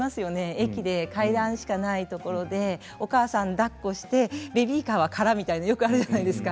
駅で階段しかない所でお母さんだっこしてベビーカーは空みたいなよくあるじゃないですか。